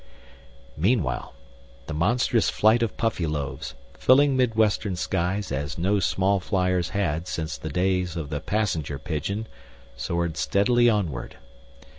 Meanwhile, the monstrous flight of Puffyloaves, filling midwestern skies as no small fliers had since the days of the passenger pigeon, soared steadily onward.